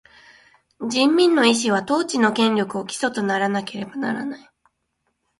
人民の意思は、統治の権力を基礎とならなければならない。